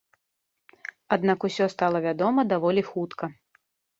Аднак усё стала вядома даволі хутка.